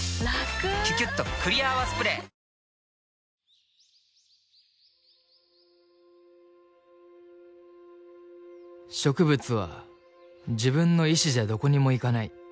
あぁ植物は自分の意志じゃどこにも行かない。